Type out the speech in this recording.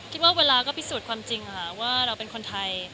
คิดว่าเวลาก็พิสูจน์ความจริงค่ะว่าเราเป็นคนไทย